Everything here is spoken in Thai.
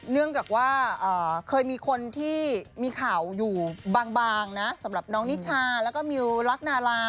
เนื่องจากว่าเคยมีคนที่มีข่าวอยู่บางนะสำหรับน้องนิชาแล้วก็มิวรักนารา